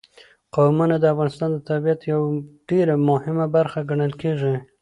قومونه د افغانستان د طبیعت یوه ډېره مهمه برخه ګڼل کېږي.